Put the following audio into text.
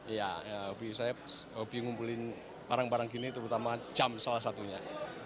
iya hobi saya hobi ngumpulin barang barang gini terutama jam salah satunya